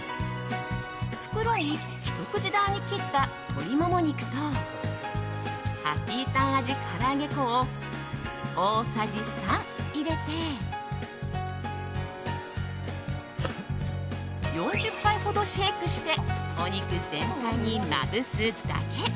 袋にひと口大に切った鶏モモ肉とハッピーターン味から揚げ粉を大さじ３入れて４０回ほどシェイクしてお肉全体にまぶすだけ。